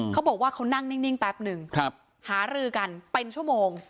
เขาบอกว่าเขานั่งนิ่งแป๊บนึงหารือกันเป็นชั่วโมง